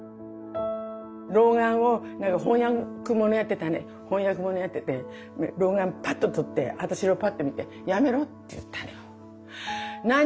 老眼を翻訳ものやってたんで翻訳ものやってて老眼パッと取って私をパッと見て「やめろ」って言ったのよ。